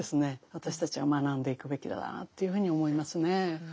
私たちは学んでいくべきだなというふうに思いますね。